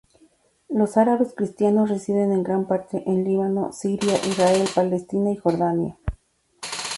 Los árabes cristianos residen en gran parte en Líbano, Siria, Israel, Palestina y Jordania.